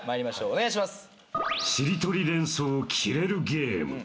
お願いします。